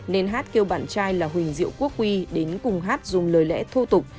nên hát kêu bạn trai là huỳnh diệu quốc quy đến cùng hát dùng lời lẽ thô tục